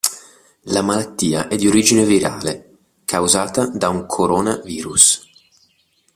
La malattia è di origine virale, causata da un 'corona virus'.